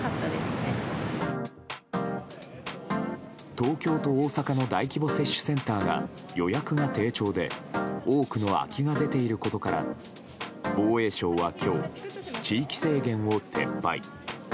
東京と大阪の大規模接種センターが予約が低調で多くの空きが出ていることから防衛省は今日、地域制限を撤廃。